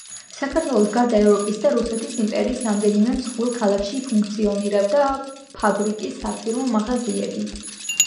საქართველოს გარდა, ევროპის და რუსეთის იმპერიის რამდენიმე მსხვილ ქალაქში ფუნქციონირებდა ფაბრიკის საფირმო მაღაზიები.